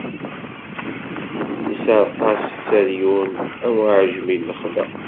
Isserqas Siryun am uɛejmi n lexla.